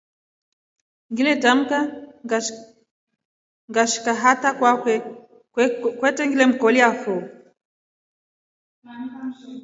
Ngiletambuka ngashika hala kwake kwete ngilemkolia foo.